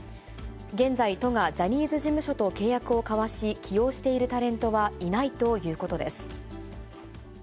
現在、都がジャニーズ事務所と契約を交わし、起用しているタレントはいないということです。